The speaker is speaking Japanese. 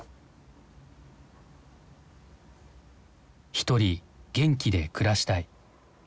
ひとり元気で暮らしたい。